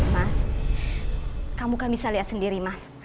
mas kamu kan bisa lihat sendiri mas